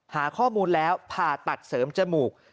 หาข้อมูลแล้วผ่าตัดเสริมจมูก